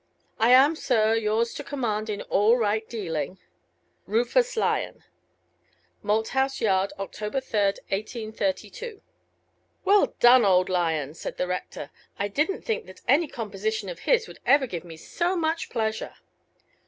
I am, sir, yours to command in all right dealing, Malthouse Yard. Oct. 3, 1832. RUFUS LYON. "Well done, old Lyon," said the rector; "I didn't think that any composition of his would ever give me so much pleasure."